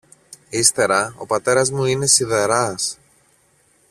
Ύστερα ο πατέρας μου είναι σιδεράς